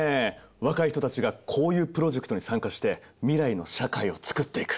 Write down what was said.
若い人たちがこういうプロジェクトに参加して未来の社会を作っていく。